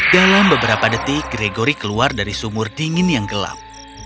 dalam beberapa detik gregory keluar dari sumur dingin yang gelap